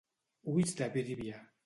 Ulls de brívia.